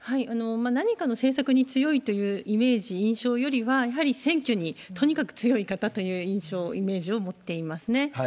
何かの政策に強いというイメージ、印象よりは、やはり選挙にとにかく強い方という印象、イメージを持っていますね。